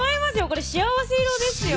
これ幸せ色ですよ